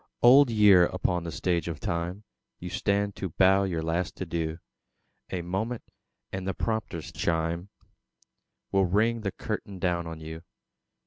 Old Year! upon the Stage of Time You stand to bow your last adieu; A moment, and the prompter's chime Will ring the curtain down on you.